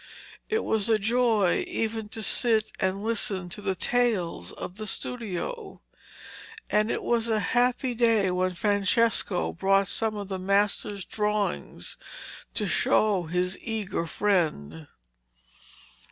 It was a joy even to sit and listen to the tales of the studio, and it was a happy day when Francesco brought some of the master's drawings to show to his eager friend.